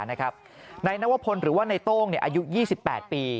นายนวพลหรือว่าในโต้งอายุ๒๘ปี